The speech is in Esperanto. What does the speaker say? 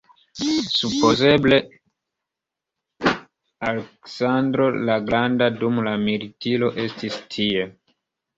Supozeble Aleksandro la Granda dum la militiro estis tie.